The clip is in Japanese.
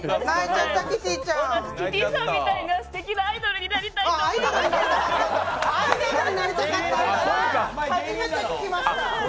私、キティさんみたいなすてきなアイドルになりたかった。